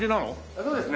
そうですね。